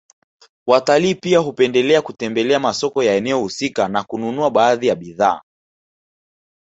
Watalii pia hupendelea kutembelea masoko ya eneo husika na kununua baadhi ya bidhaa